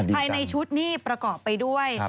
ภายในชุดนี่ประกอบไปด้วย